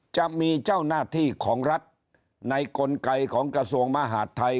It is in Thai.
จะมีเจ้าหน้าที่ของรัฐในกลไกของกระทรวงมหาดไทย